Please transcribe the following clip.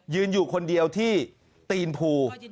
อยู่คนเดียวที่ตีนภู